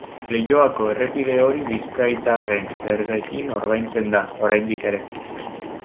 Leioako errepide hori bizkaitarren zergekin ordaintzen da, oraindik ere.